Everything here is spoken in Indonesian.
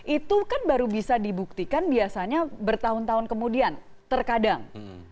itu kan baru bisa dibuktikan biasanya bertahun tahun kemudian terkadang